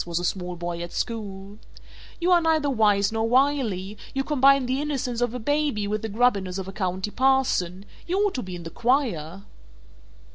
was a small boy at school, "you are neither Wise nor Wily; you combine the innocence of a Baby with the grubbiness of a County Parson you ought to be in the choir."